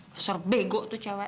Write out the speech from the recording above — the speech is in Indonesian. besar bego tuh cewek